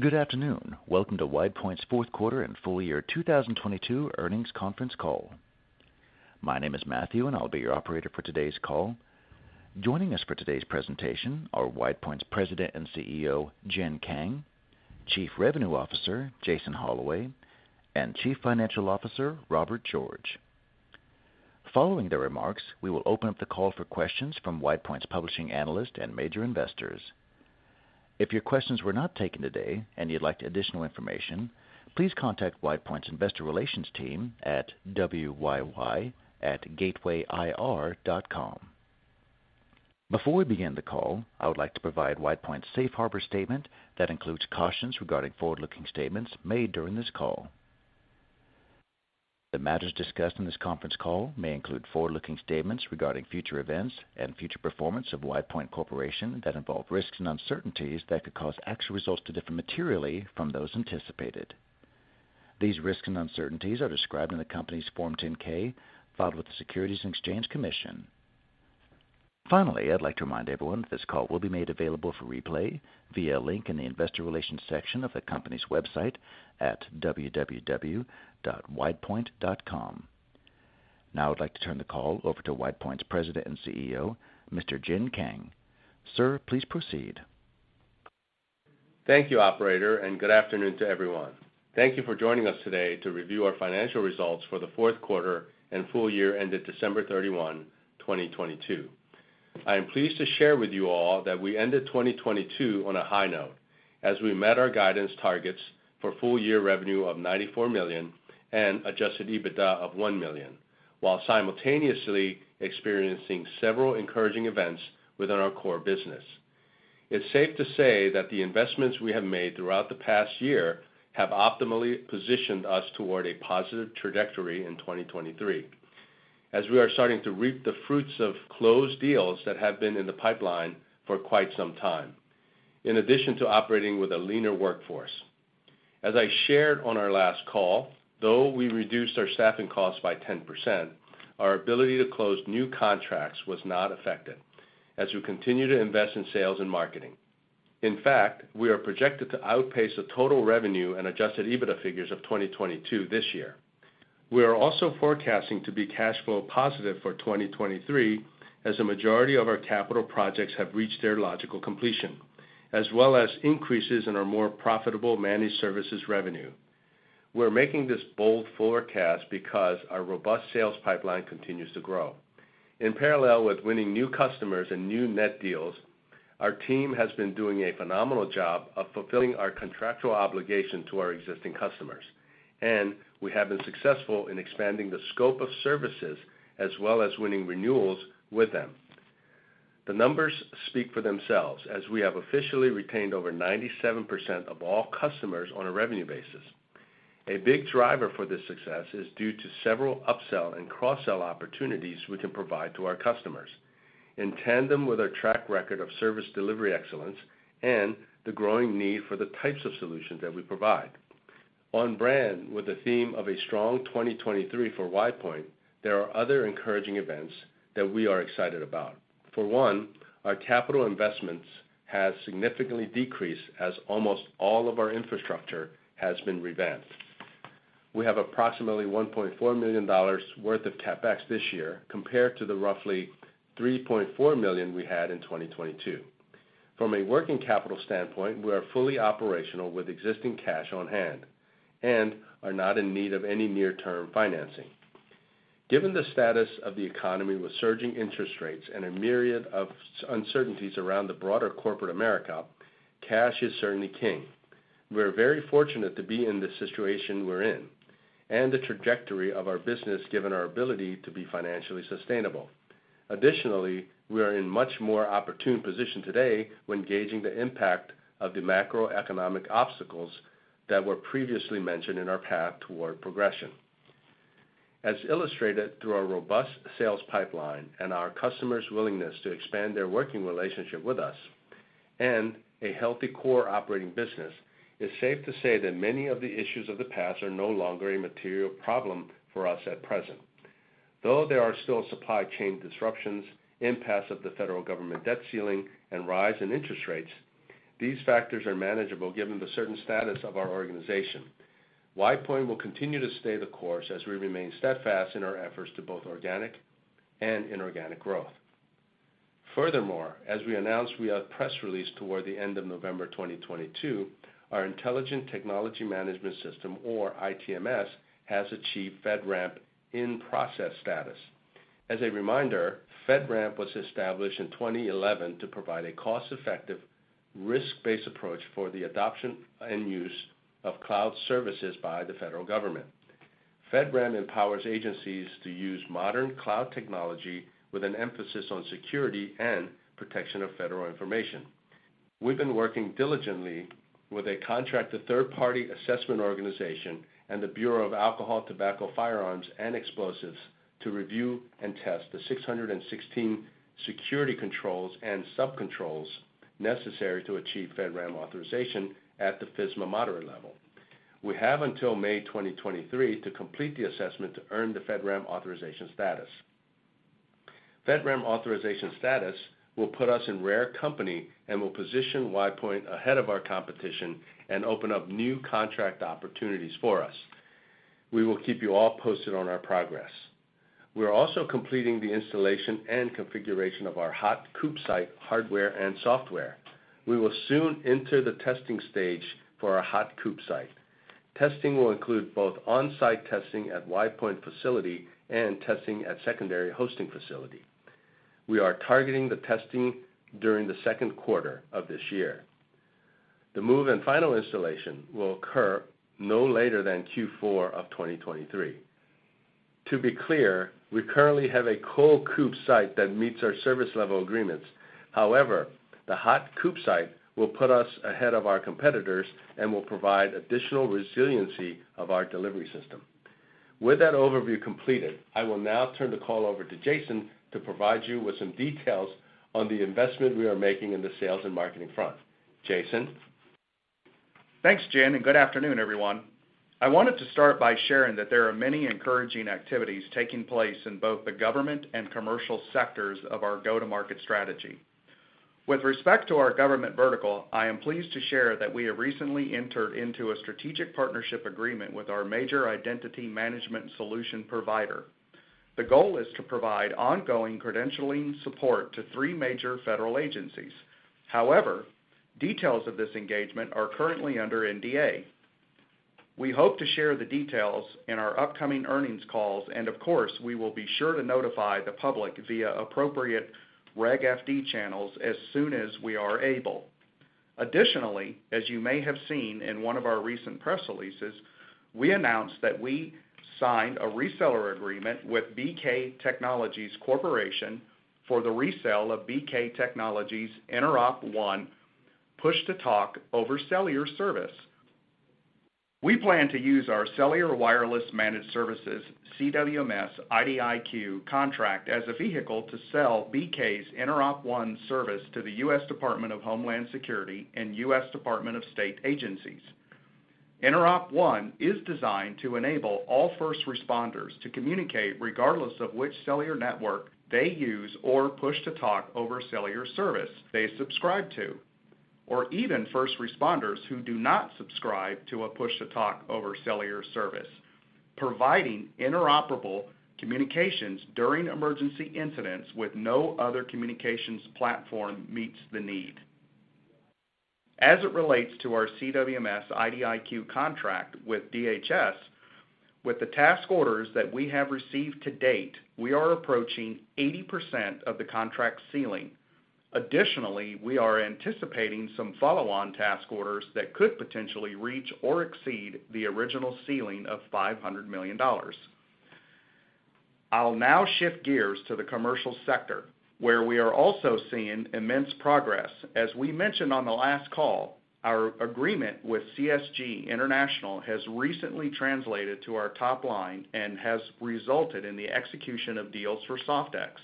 Good afternoon. Welcome to WidePoint's fourth quarter and full year 2022 earnings conference call. My name is Matthew, and I'll be your operator for today's call. Joining us for today's presentation are WidePoint's President and CEO, Jin Kang; Chief Revenue Officer, Jason Holloway; and Chief Financial Officer, Robert George. Following the remarks, we will open up the call for questions from WidePoint's publishing analyst and major investors. If your questions were not taken today and you'd like additional information, please contact WidePoint's investor relations team at wyy@gatewayir.com. Before we begin the call, I would like to provide WidePoint's safe harbor statement that includes cautions regarding forward-looking statements made during this call. The matters discussed in this conference call may include forward-looking statements regarding future events and future performance of WidePoint Corporation that involve risks and uncertainties that could cause actual results to differ materially from those anticipated. These risks and uncertainties are described in the company's Form 10-K filed with the Securities and Exchange Commission. I'd like to remind everyone this call will be made available for replay via a link in the investor relations section of the company's website at www.widepoint.com. I'd like to turn the call over to WidePoint's President and CEO, Mr. Jin Kang. Sir, please proceed. Thank you, operator. Good afternoon to everyone. Thank you for joining us today to review our financial results for the fourth quarter and full year ended December 31, 2022. I am pleased to share with you all that we ended 2022 on a high note as we met our guidance targets for full year revenue of $94 million and adjusted EBITDA of $1 million, while simultaneously experiencing several encouraging events within our core business. It's safe to say that the investments we have made throughout the past year have optimally positioned us toward a positive trajectory in 2023, as we are starting to reap the fruits of closed deals that have been in the pipeline for quite some time, in addition to operating with a leaner workforce. As I shared on our last call, though we reduced our staffing costs by 10%, our ability to close new contracts was not affected as we continue to invest in sales and marketing. In fact, we are projected to outpace the total revenue and adjusted EBITDA figures of 2022 this year. We are also forecasting to be cash flow positive for 2023 as a majority of our capital projects have reached their logical completion, as well as increases in our more profitable managed services revenue. We're making this bold forecast because our robust sales pipeline continues to grow. In parallel with winning new customers and new net deals, our team has been doing a phenomenal job of fulfilling our contractual obligation to our existing customers, and we have been successful in expanding the scope of services as well as winning renewals with them. The numbers speak for themselves as we have officially retained over 97% of all customers on a revenue basis. A big driver for this success is due to several upsell and cross-sell opportunities we can provide to our customers in tandem with our track record of service delivery excellence and the growing need for the types of solutions that we provide. On brand with the theme of a strong 2023 for WidePoint, there are other encouraging events that we are excited about. For one, our capital investments have significantly decreased as almost all of our infrastructure has been revamped. We have approximately $1.4 million worth of CapEx this year compared to the roughly $3.4 million we had in 2022. From a working capital standpoint, we are fully operational with existing cash on hand and are not in need of any near-term financing. Given the status of the economy with surging interest rates and a myriad of uncertainties around the broader corporate America, cash is certainly king. We are very fortunate to be in the situation we're in and the trajectory of our business given our ability to be financially sustainable. Additionally, we are in much more opportune position today when gauging the impact of the macroeconomic obstacles that were previously mentioned in our path toward progression. As illustrated through our robust sales pipeline and our customers' willingness to expand their working relationship with us and a healthy core operating business, it's safe to say that many of the issues of the past are no longer a material problem for us at present. There are still supply chain disruptions, impasse of the federal government debt ceiling, and rise in interest rates, these factors are manageable given the certain status of our organization. WidePoint will continue to stay the course as we remain steadfast in our efforts to both organic and inorganic growth. Furthermore, as we announced via press release toward the end of November 2022, our Intelligent Technology Management System, or ITMS, has achieved FedRAMP in process status. As a reminder, FedRAMP was established in 2011 to provide a cost-effective, risk-based approach for the adoption and use of cloud services by the federal government. FedRAMP empowers agencies to use modern cloud technology with an emphasis on security and protection of federal information. We've been working diligently with a contracted third-party assessment organization and the Bureau of Alcohol, Tobacco, Firearms and Explosives to review and test the 616 security controls and subcontrols necessary to achieve FedRAMP authorization at the FISMA moderate level. We have until May 2023 to complete the assessment to earn the FedRAMP authorization status. FedRAMP authorization status will put us in rare company and will position WidePoint ahead of our competition and open up new contract opportunities for us. We will keep you all posted on our progress. We are also completing the installation and configuration of our hot COOP site hardware and software. We will soon enter the testing stage for our hot COOP site. Testing will include both on-site testing at WidePoint facility and testing at secondary hosting facility. We are targeting the testing during the second quarter of this year. The move and final installation will occur no later than Q4 of 2023. To be clear, we currently have a cold COOP site that meets our service level agreements. The hot COOP site will put us ahead of our competitors and will provide additional resiliency of our delivery system. With that overview completed, I will now turn the call over to Jason to provide you with some details on the investment we are making in the sales and marketing front. Jason? Thanks, Jin. Good afternoon, everyone. I wanted to start by sharing that there are many encouraging activities taking place in both the government and commercial sectors of our go-to-market strategy. With respect to our government vertical, I am pleased to share that we have recently entered into a strategic partnership agreement with our major identity management solution provider. The goal is to provide ongoing credentialing support to three major federal agencies. Details of this engagement are currently under NDA. We hope to share the details in our upcoming earnings calls, and of course, we will be sure to notify the public via appropriate Reg FD channels as soon as we are able. As you may have seen in one of our recent press releases, we announced that we signed a reseller agreement with BK Technologies Corporation for the resale of BK Technologies InteropONE Push-to-Talk over Cellular service. We plan to use our cellular wireless managed services, CWMS IDIQ contract as a vehicle to sell BK's InteropONE service to the U.S. Department of Homeland Security and U.S. Department of State agencies. InteropONE is designed to enable all first responders to communicate regardless of which cellular network they use or Push-to-Talk over Cellular service they subscribe to, or even first responders who do not subscribe to a Push-to-Talk over Cellular service, providing interoperable communications during emergency incidents with no other communications platform meets the need. As it relates to our CWMS IDIQ contract with DHS, with the task orders that we have received to date, we are approaching 80% of the contract ceiling. We are anticipating some follow-on task orders that could potentially reach or exceed the original ceiling of $500 million. I'll now shift gears to the commercial sector, where we are also seeing immense progress. As we mentioned on the last call, our agreement with CSG International has recently translated to our top line and has resulted in the execution of deals for Soft-ex.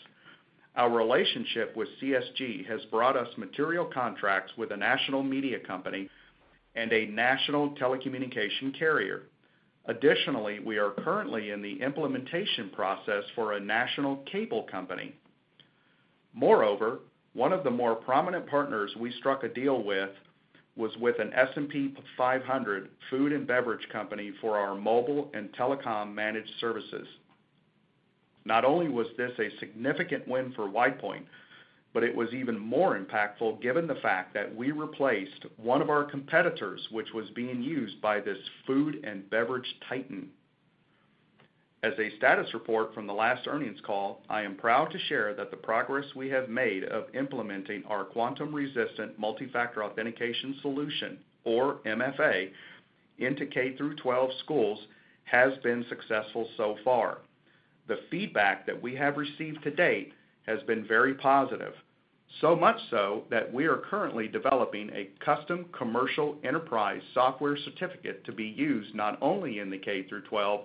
Our relationship with CSG has brought us material contracts with a national media company and a national telecommunication carrier. Additionally, we are currently in the implementation process for a national cable company. Moreover, one of the more prominent partners we struck a deal with was with an S&P 500 food and beverage company for our mobile and telecom managed services. Not only was this a significant win for WidePoint, but it was even more impactful given the fact that we replaced one of our competitors, which was being used by this food and beverage titan. As a status report from the last earnings call, I am proud to share that the progress we have made of implementing our quantum-resistant multifactor authentication solution, or MFA, into K through 12 schools has been successful so far. The feedback that we have received to date has been very positive, so much so that we are currently developing a custom commercial enterprise software certificate to be used not only in the K through 12,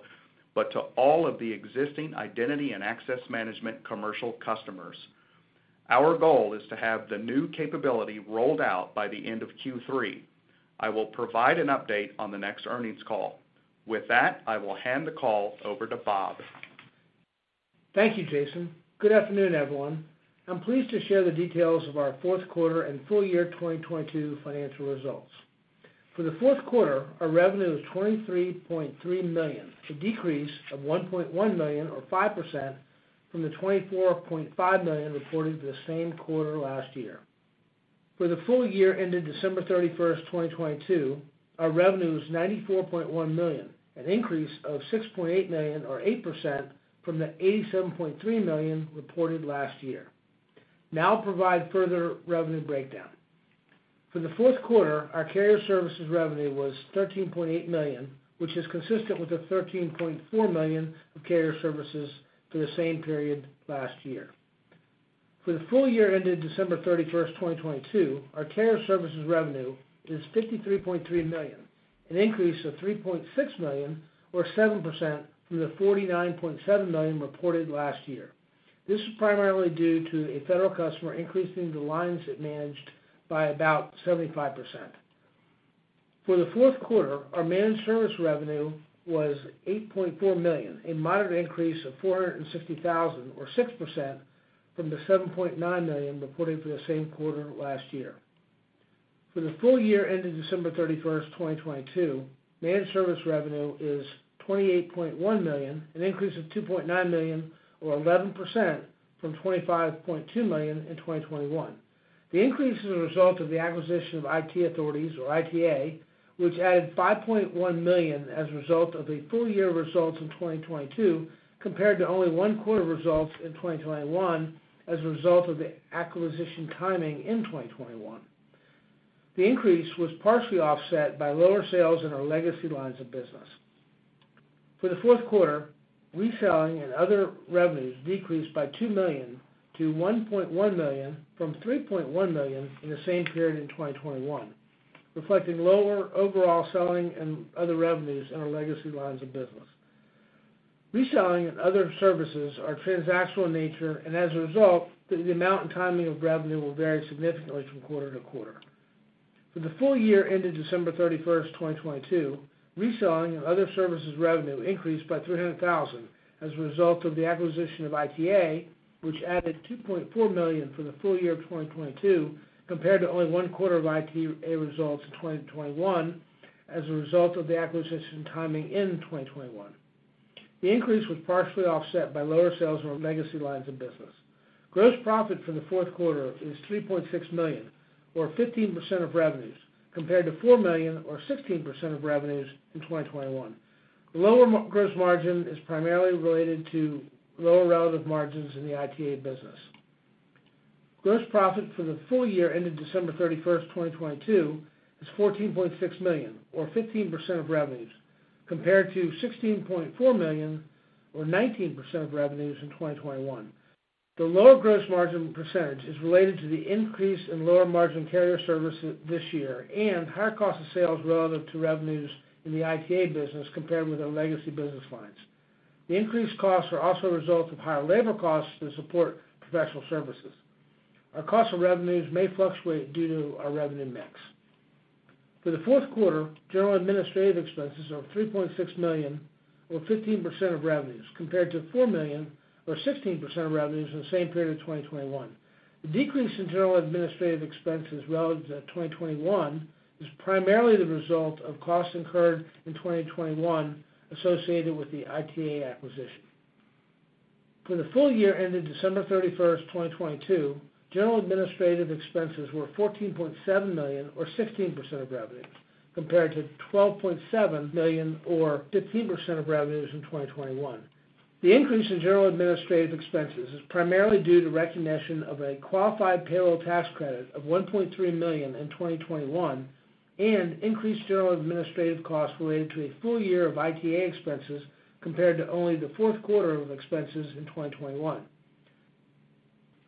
but to all of the existing identity and access management commercial customers. Our goal is to have the new capability rolled out by the end of Q3. I will provide an update on the next earnings call. With that, I will hand the call over to Bob. Thank you, Jason. Good afternoon, everyone. I'm pleased to share the details of our fourth quarter and full year 2022 financial results. For the fourth quarter, our revenue was $23.3 million, a decrease of $1.1 million or 5% from the $24.5 million reported the same quarter last year. For the full year ended December 31st, 2022, our revenue is $94.1 million, an increase of $6.8 million or 8% from the $87.3 million reported last year. Now provide further revenue breakdown. For the fourth quarter, our carrier services revenue was $13.8 million, which is consistent with the $13.4 million of carrier services for the same period last year. For the full year ended December 31st, 2022, our carrier services revenue is $53.3 million, an increase of $3.6 million or 7% from the $49.7 million reported last year. This is primarily due to a federal customer increasing the lines it managed by about 75%. For the fourth quarter, our managed service revenue was $8.4 million, a moderate increase of $460,000 or 6% from the $7.9 million reported for the same quarter last year. For the full year ending December 31st, 2022, managed service revenue is $28.1 million, an increase of $2.9 million or 11% from $25.2 million in 2021. The increase is a result of the acquisition of IT Authorities or ITA, which added $5.1 million as a result of a full year results in 2022 compared to only one quarter results in 2021 as a result of the acquisition timing in 2021. The increase was partially offset by lower sales in our legacy lines of business. For the fourth quarter, reselling and other revenues decreased by $2 million to $1.1 million from $3.1 million in the same period in 2021, reflecting lower overall selling and other revenues in our legacy lines of business. Reselling and other services are transactional in nature, and as a result, the amount and timing of revenue will vary significantly from quarter-to-quarter. For the full year ending December 31, 2022, reselling and other services revenue increased by $300,000 as a result of the acquisition of ITA, which added $2.4 million for the full year of 2022 compared to only one quarter of ITA results in 2021 as a result of the acquisition timing in 2021. The increase was partially offset by lower sales on our legacy lines of business. Gross profit for the fourth quarter is $3.6 million or 15% of revenues, compared to $4 million or 16% of revenues in 2021. The lower gross margin is primarily related to lower relative margins in the ITA business. Gross profit for the full year ending December 31st, 2022 is $14.6 million or 15% of revenues, compared to $16.4 million or 19% of revenues in 2021. The lower gross margin percentage is related to the increase in lower margin carrier service this year and higher cost of sales relative to revenues in the ITA business compared with our legacy business lines. The increased costs are also a result of higher labor costs to support professional services. Our cost of revenues may fluctuate due to our revenue mix. For the fourth quarter, general and administrative expenses are $3.6 million or 15% of revenues, compared to $4 million or 16% of revenues in the same period of 2021. The decrease in general and administrative expenses relative to 2021 is primarily the result of costs incurred in 2021 associated with the ITA acquisition. For the full year ending December 31st, 2022, general and administrative expenses were $14.7 million or 16% of revenues, compared to $12.7 million or 15% of revenues in 2021. The increase in general and administrative expenses is primarily due to recognition of a qualified payroll tax credit of $1.3 million in 2021 and increased general and administrative costs related to a full year of ITA expenses compared to only the fourth quarter of expenses in 2021.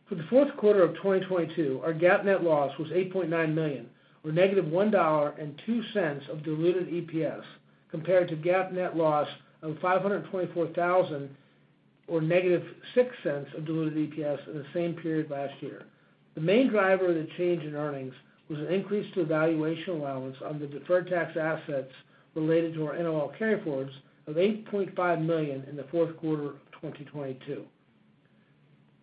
For the fourth quarter of 2022, our GAAP net loss was $8.9 million or negative $1.02 of diluted EPS, compared to GAAP net loss of $524,000 or negative $0.06 of diluted EPS in the same period last year. The main driver of the change in earnings was an increase to valuation allowance on the deferred tax assets related to our NOL carryforwards of $8.5 million in the fourth quarter of 2022.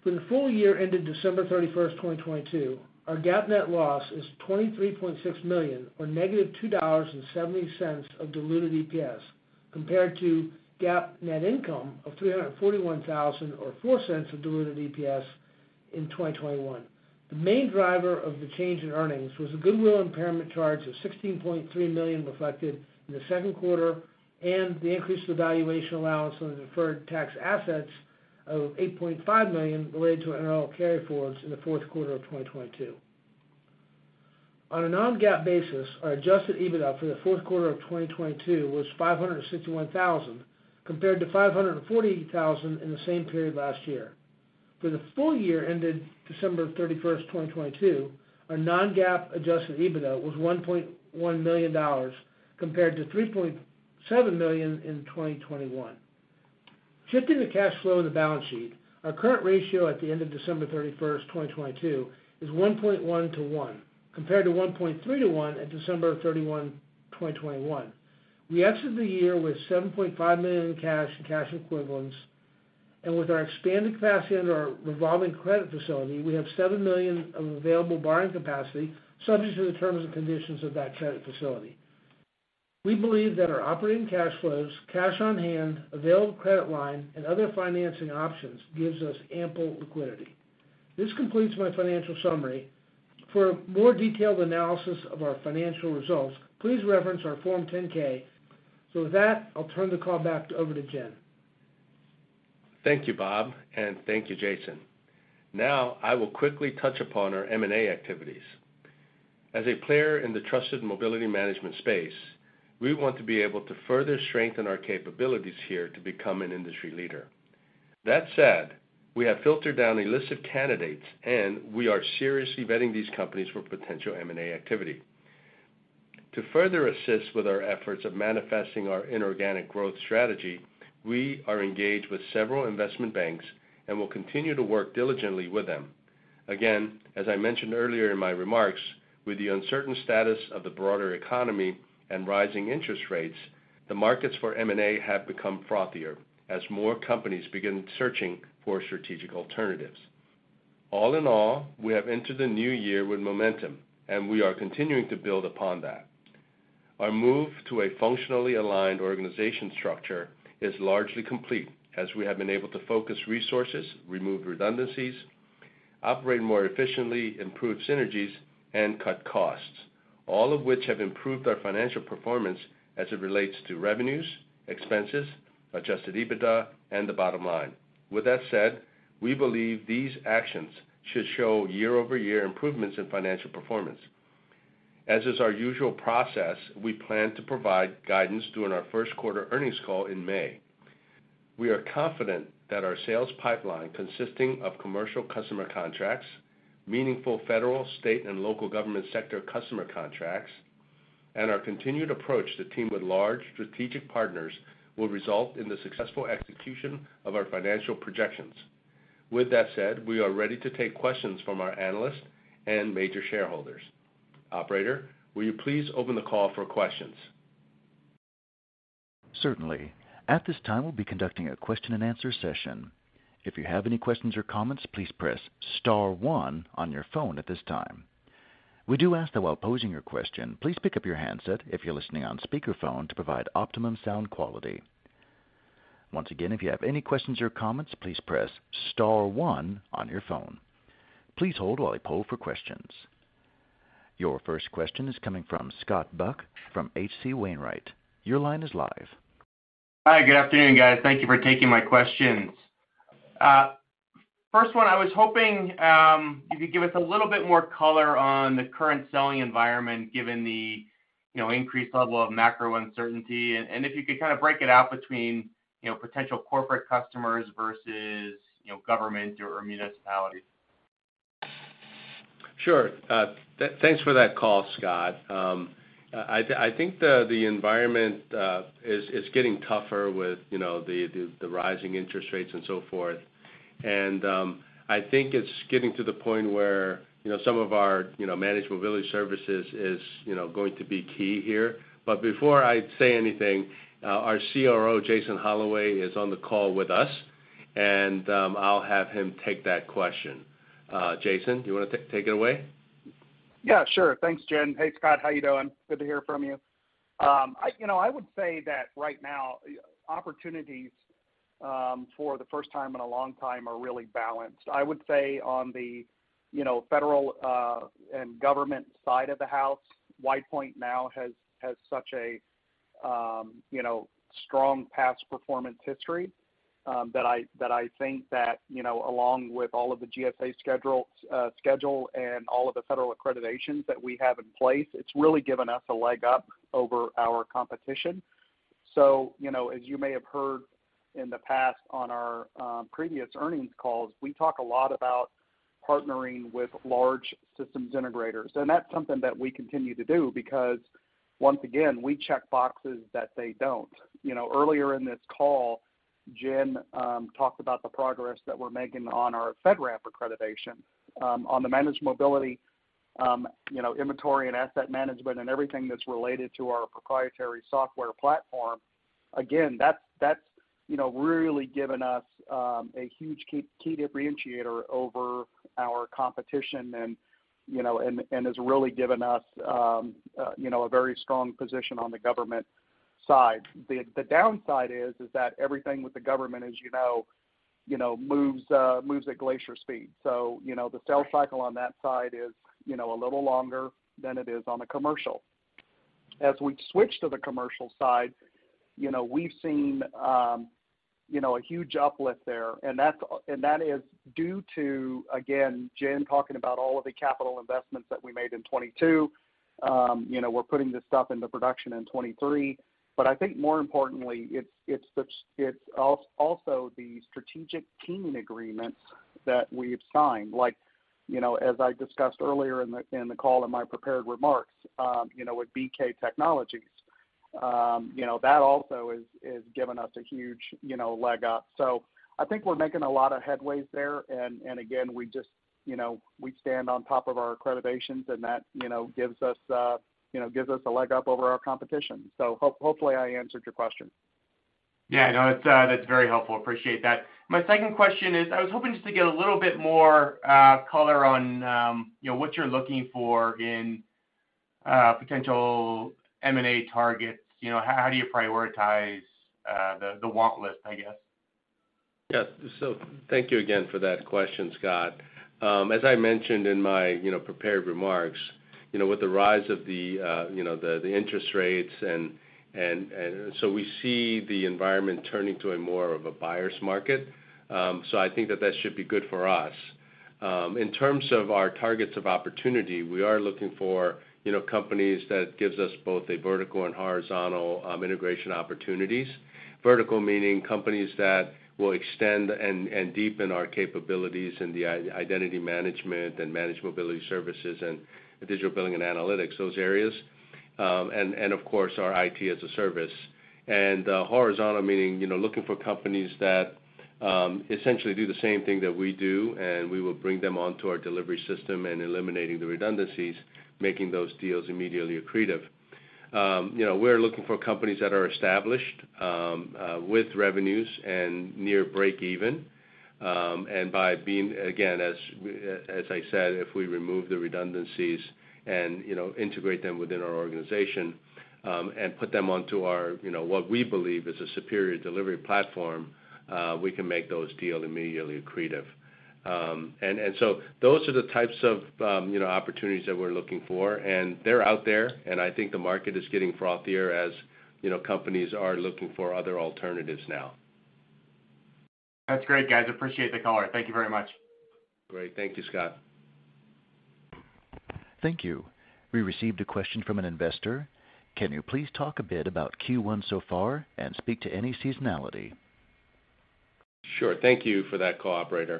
For the full year ending December 31st, 2022, our GAAP net loss is $23.6 million or negative $2.70 of diluted EPS, compared to GAAP net income of $341,000 or $0.04 of diluted EPS in 2021. The main driver of the change in earnings was a goodwill impairment charge of $16.3 million reflected in the second quarter and the increase to valuation allowance on the deferred tax assets of $8.5 million related to NOL carryforwards in the fourth quarter of 2022. On a non-GAAP basis, our adjusted EBITDA for the fourth quarter of 2022 was $561,000 compared to $540,000 in the same period last year. For the full year ending December 31st, 2022, our non-GAAP adjusted EBITDA was $1.1 million compared to $3.7 million in 2021. Shifting to cash flow and the balance sheet, our current ratio at the end of December 31st, 2022 is 1.1 to 1, compared to 1.3 to 1 at December 31, 2021. We exited the year with $7.5 million in cash and cash equivalents, and with our expanded capacity under our revolving credit facility, we have $7 million of available borrowing capacity subject to the terms and conditions of that credit facility. We believe that our operating cash flows, cash on hand, available credit line and other financing options gives us ample liquidity. This completes my financial summary. For a more detailed analysis of our financial results, please reference our Form 10-K. With that, I'll turn the call back over to Jin. Thank you, Bob, and thank you, Jason. Now I will quickly touch upon our M&A activities. As a player in the trusted mobility management space, we want to be able to further strengthen our capabilities here to become an industry leader. That said, we have filtered down a list of candidates, and we are seriously vetting these companies for potential M&A activity. To further assist with our efforts of manifesting our inorganic growth strategy, we are engaged with several investment banks and will continue to work diligently with them. As I mentioned earlier in my remarks, with the uncertain status of the broader economy and rising interest rates, the markets for M&A have become frothier as more companies begin searching for strategic alternatives. All in all, we have entered the new year with momentum, and we are continuing to build upon that. Our move to a functionally aligned organization structure is largely complete as we have been able to focus resources, remove redundancies, operate more efficiently, improve synergies and cut costs, all of which have improved our financial performance as it relates to revenues, expenses, adjusted EBITDA and the bottom line. With that said, we believe these actions should show year-over-year improvements in financial performance. As is our usual process, we plan to provide guidance during our first quarter earnings call in May. We are confident that our sales pipeline, consisting of commercial customer contracts, meaningful federal, state and local government sector customer contracts, and our continued approach to team with large strategic partners will result in the successful execution of our financial projections. With that said, we are ready to take questions from our analysts and major shareholders. Operator, will you please open the call for questions? Certainly. At this time, we'll be conducting a question-and-answer session. If you have any questions or comments, please press star one on your phone at this time. We do ask, though, while posing your question, please pick up your handset if you're listening on speakerphone to provide optimum sound quality. Once again, if you have any questions or comments, please press star one on your phone. Please hold while I poll for questions. Your first question is coming from Scott Buck from H.C. Wainwright. Your line is live. Hi, good afternoon, guys. Thank you for taking my questions. First one, I was hoping you could give us a little bit more color on the current selling environment given the, you know, increased level of macro uncertainty, and if you could kind of break it out between, you know, potential corporate customers versus, you know, government or municipalities. Sure. thanks for that call, Scott. I think the environment is getting tougher with, you know, the rising interest rates and so forth. I think it's getting to the point where, you know, some of our, you know, Managed Mobility Services is, you know, going to be key here. Before I say anything, our CRO, Jason Holloway, is on the call with us, and I'll have him take that question. Jason, do you wanna take it away? Yeah, sure. Thanks, Jin. Hey, Scott, how you doing? Good to hear from you. You know, I would say that right now, opportunities for the first time in a long time are really balanced. I would say on the, you know, federal and government side of the house, WidePoint now has such a, you know, strong past performance history that I think that, you know, along with all of the GSA schedule and all of the federal accreditations that we have in place, it's really given us a leg up over our competition. You know, as you may have heard in the past on our previous earnings calls, we talk a lot about partnering with large systems integrators. That's something that we continue to do because, once again, we check boxes that they don't. You know, earlier in this call, Jin, talked about the progress that we're making on our FedRAMP accreditation, on the Managed Mobility, you know, inventory and asset management and everything that's related to our proprietary software platform. Again, that's, you know, really given us a huge key differentiator over our competition and has really given us, you know, a very strong position on the government side. The downside is that everything with the government, as you know, moves at glacier speed. The sales cycle on that side is, you know, a little longer than it is on the commercial. As we switch to the commercial side, you know, we've seen, you know, a huge uplift there, and that is due to, again, Jin talking about all of the capital investments that we made in 2022. You know, we're putting this stuff into production in 2023. I think more importantly, it's also the strategic teaming agreements that we've signed, like, you know, as I discussed earlier in the, in the call in my prepared remarks, you know, with BK Technologies. You know, that also has given us a huge, you know, leg up. I think we're making a lot of headways there, and again, we just, you know, we stand on top of our accreditations, and that, you know, gives us, you know, gives us a leg up over our competition. Hopefully, I answered your question. Yeah, no, that's very helpful. Appreciate that. My second question is, I was hoping just to get a little bit more color on, you know, what you're looking for in potential M&A targets. You know, how do you prioritize the want list, I guess? Yes. Thank you again for that question, Scott. As I mentioned in my prepared remarks, with the rise of the interest rates and so we see the environment turning to a more of a buyer's market. I think that should be good for us. In terms of our targets of opportunity, we are looking for companies that gives us both a vertical and horizontal integration opportunities. Vertical meaning companies that will extend and deepen our capabilities in the identity management and Managed Mobility Services and digital billing and analytics, those areas. Of course our IT as a service. Horizontal meaning, you know, looking for companies that essentially do the same thing that we do, and we will bring them onto our delivery system and eliminating the redundancies, making those deals immediately accretive. You know, we're looking for companies that are established with revenues and near break even. By being, again, as I said, if we remove the redundancies and, you know, integrate them within our organization, and put them onto our, you know, what we believe is a superior delivery platform, we can make those deal immediately accretive. Those are the types of, you know, opportunities that we're looking for, and they're out there, and I think the market is getting frothier as, you know, companies are looking for other alternatives now. That's great, guys. I appreciate the color. Thank you very much. Great. Thank you, Scott. Thank you. We received a question from an investor. Can you please talk a bit about Q1 so far and speak to any seasonality? Sure. Thank you for that, cooperation.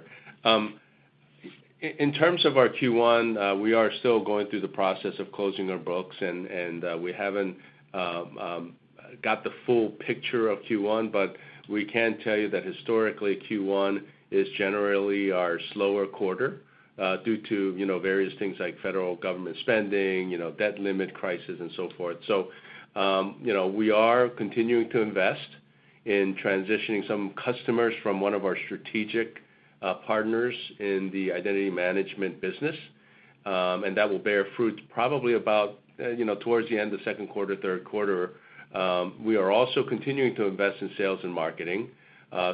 In terms of our Q1, we are still going through the process of closing our books, and we haven't got the full picture of Q1, but we can tell you that historically, Q1 is generally our slower quarter, due to, you know, various things like federal government spending, you know, debt limit crisis and so forth. You know, we are continuing to invest in transitioning some customers from one of our strategic partners in the identity management business. That will bear fruit probably about, you know, towards the end of second quarter, third quarter. We are also continuing to invest in sales and marketing,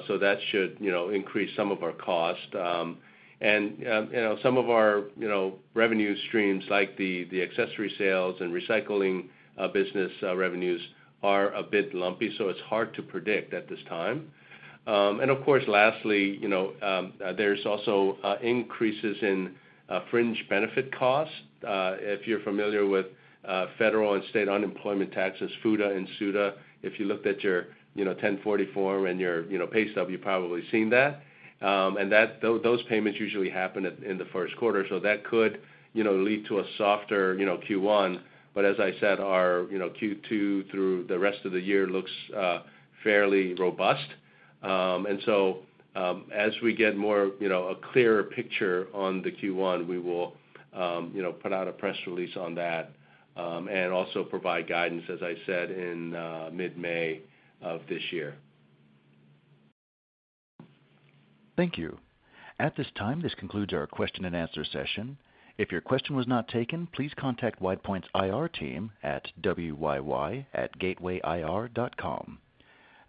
so that should, you know, increase some of our cost. You know, some of our, you know, revenue streams like the accessory sales and recycling business revenues are a bit lumpy, so it's hard to predict at this time. Of course, lastly, you know, there's also increases in fringe benefit costs. If you're familiar with federal and state unemployment taxes, FUTA and SUTA, if you looked at your, you know, 1040 form and your, you know, pay stub, you've probably seen that. Those payments usually happen at, in the first quarter. That could, you know, lead to a softer, you know, Q1. As I said, our, you know, Q2 through the rest of the year looks fairly robust. As we get more, you know, a clearer picture on the Q1, we will, you know, put out a press release on that, and also provide guidance, as I said, in mid-May of this year. Thank you. At this time, this concludes our question and answer session. If your question was not taken, please contact WidePoint's IR team at wyy@gatewayir.com.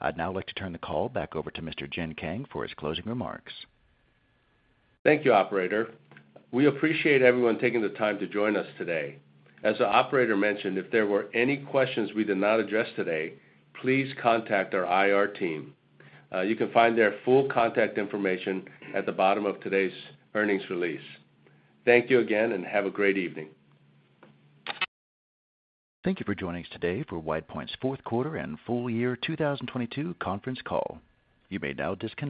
I'd now like to turn the call back over to Mr. Jin Kang for his closing remarks. Thank you, operator. We appreciate everyone taking the time to join us today. As the operator mentioned, if there were any questions we did not address today, please contact our IR team. You can find their full contact information at the bottom of today's earnings release. Thank you again. Have a great evening. Thank you for joining us today for WidePoint's fourth quarter and full year 2022 conference call. You may now disconnect.